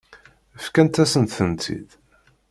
Fkant-asen-tent-id.